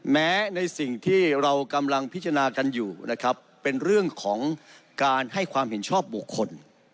ในสิ่งที่เรากำลังพิจารณากันอยู่นะครับเป็นเรื่องของการให้ความเห็นชอบบุคคล